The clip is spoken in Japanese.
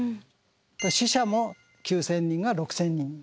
死者も９，０００人が６，０００人。